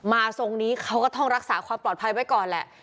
ทรงนี้เขาก็ต้องรักษาความปลอดภัยไว้ก่อนแหละ